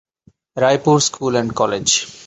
Raipur school and college.